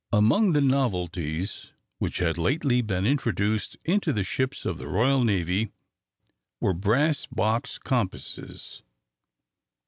Among the novelties which had lately been introduced into the ships of the Royal Navy were brass box compasses.